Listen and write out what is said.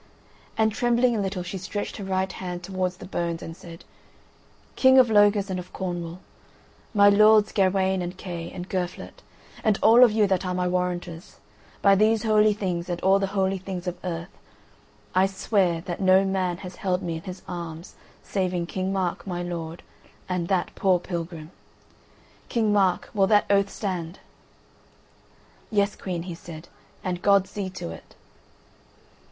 And trembling a little she stretched her right hand towards the bones and said: "Kings of Logres and of Cornwall; my lords Gawain, and Kay, and Girflet, and all of you that are my warrantors, by these holy things and all the holy things of earth, I swear that no man has held me in his arms saving King Mark, my lord, and that poor pilgrim. King Mark, will that oath stand?" "Yes, Queen," he said, "and God see to it.